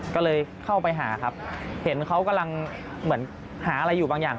ก็เลยเข้าไปหาครับเห็นเขากำลังเหมือนหาอะไรอยู่บางอย่าง